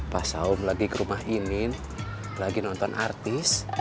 pah saum lagi ke rumah inin lagi nonton artis